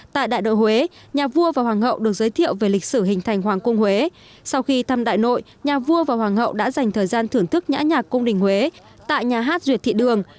tại đại đội huế nhà vua và hoàng hậu được giới thiệu về lịch sử hình thành hoàng cung huế sau khi thăm đại nội nhà vua và hoàng hậu đã dành thời gian thưởng thức nhã nhạc cung đình huế tại nhà hát duyệt thị đường